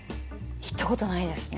行ったことないですね